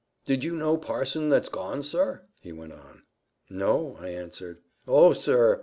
"Did you know parson that's gone, sir?" he went on. "No," I answered. "Oh, sir!